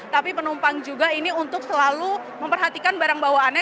tapi penumpang juga ini untuk selalu memperhatikan barang bawaannya